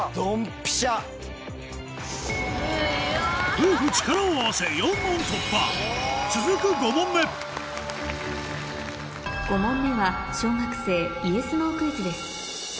夫婦力を合わせ４問突破５問目は小学生ＹｅｓＮｏクイズです